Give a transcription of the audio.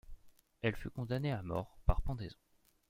Elle fut condamnée à mort par pendaison.